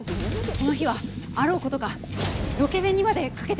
この日はあろうことかロケ弁にまでかけています。